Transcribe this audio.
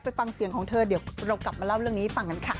ฟังเสียงของเธอเดี๋ยวเรากลับมาเล่าเรื่องนี้ให้ฟังกันค่ะ